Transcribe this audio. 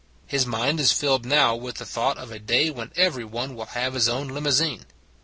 His mind is filled now with the thought of a day when every one will have his own limousine.